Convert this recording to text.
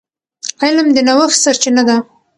علم د نوښت سرچینه ده.